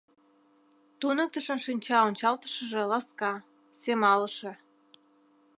Туныктышын шинча ончалтышыже ласка, семалыше.